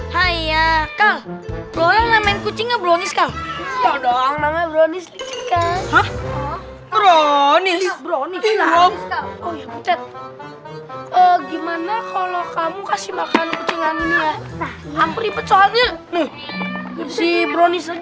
hai selamat malam pelan bawahnya miring hati hati bener assalamualaikum waalaikumsalam